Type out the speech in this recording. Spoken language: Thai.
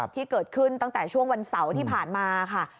ที่เกิดขึ้นตั้งแต่ช่วงวันเสาร์ที่ผ่านมาค่ะ